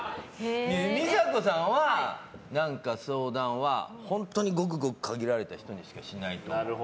美佐子さんは、相談は本当にごくごく限られた人にしかしないと思う。